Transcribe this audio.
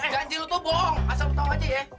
janji lo tuh bohong asal lo tau aja ya